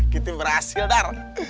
kita berhasil dar